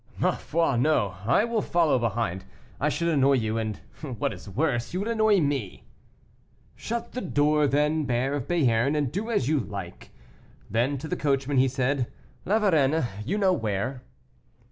"Ma foi, no, I will follow behind; I should annoy you, and, what is worse, you would annoy me." "Shut the door then, bear of Béarn, and do as you like." Then to the coachman he said, "Lavarrenne, you know where."